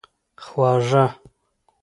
خواږه